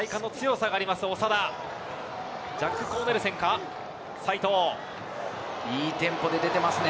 ジャック・コーネルセンか、いいテンポで出てますね。